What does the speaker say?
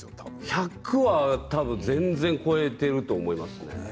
１００はもう全然超えていると思います。